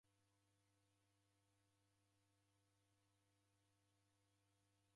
Naringwa ni nyamandu.